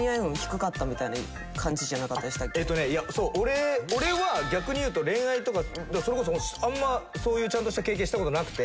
えっとねいやそう俺は逆に言うと恋愛とかそれこそあんまそういうちゃんとした経験した事なくて。